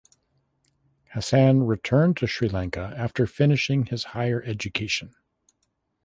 Hassan returned to Sri Lanka after finishing his higher education.